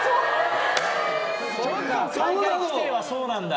・大会規定はそうなんだ。